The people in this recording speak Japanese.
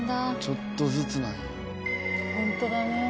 「ちょっとずつなんや」